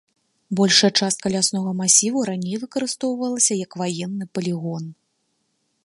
Большая частка ляснога масіву раней выкарыстоўвалася як ваенны палігон.